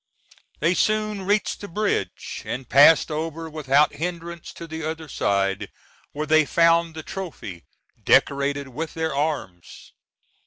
They soon reached the bridge and passed over without hindrance to the other side, where they found the trophy decorated with their arms.